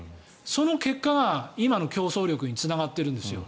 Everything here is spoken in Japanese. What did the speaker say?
その結果が今の競争力につながっているんです。